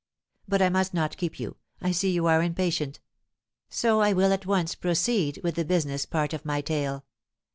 But I must not keep you I see you are impatient; so I will at once proceed with the business part of my tale.